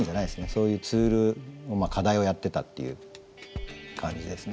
そういうツール課題をやってたっていう感じですね。